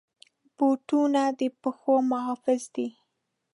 بوټونه د پښو محافظ دي.